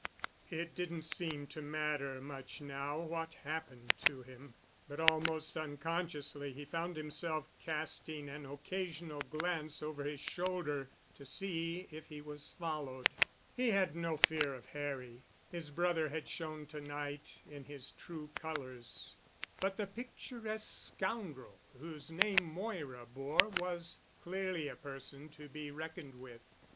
It didn't seem to matter much now what happened to him. But almost unconsciously he found himself casting an occasional glance over his shoulder to see if he was followed. He had no fear of Harry. His brother had shown to night in his true colors, but the picturesque scoundrel whose name Moira bore was clearly a person to be reckoned with.